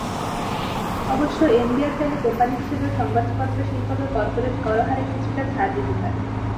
অবশ্য এনবিআর চাইলে কোম্পানি হিসেবেও সংবাদপত্রশিল্পকে করপোরেট করহারে কিছুটা ছাড় দিতে পারে।